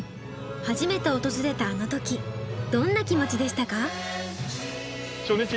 初めて訪れたあの時どんな気持ちでしたか？